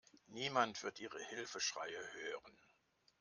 Niemand wird Ihre Hilfeschreie hören.